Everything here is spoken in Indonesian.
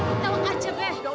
astaga tawa kacau deh